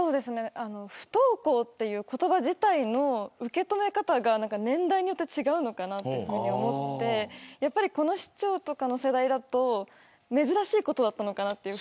不登校という言葉自体の受け止め方が年代によって違うのかなと思ってこの市長とかの世代だと不登校が珍しいことだったのかなと。